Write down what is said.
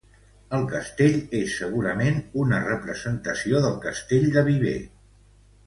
El castell és segurament una representació del Castell de Viver.